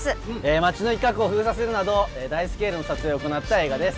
町の一角を封鎖するなど大スケールの撮影を行った映画です。